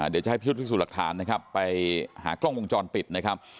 เดี๋ยวจะให้พิสูจน์หลักฐานนะครับไปหากล้องวงจรปิดนะครับ